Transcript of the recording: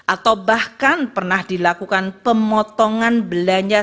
atau bahkan pernah dilakukan pemotongan belanja